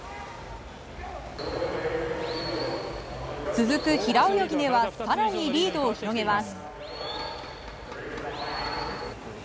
続く平泳ぎでは更にリードを広げます。